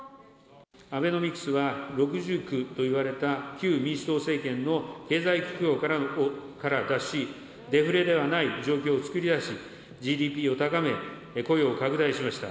アベノミクスは、６重苦といわれた旧民主党政権の経済不況から脱し、デフレではない状況を作り出し、ＧＤＰを高め、雇用を拡大しました。